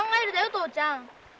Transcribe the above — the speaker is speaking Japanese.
父ちゃん。